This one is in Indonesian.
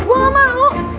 gue gak mau